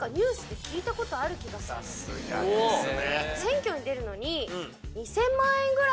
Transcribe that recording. さすがですね。